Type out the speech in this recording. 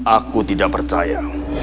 aku tidak percaya